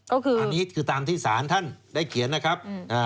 ก็คืออันนี้คือตามที่สารท่านได้เขียนนะครับ